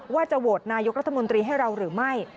ว่าจะโหวตนายกรัฐมนตรีให้เราหรือไม่